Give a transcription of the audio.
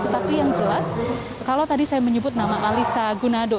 tapi yang jelas kalau tadi saya menyebut nama alisa gunado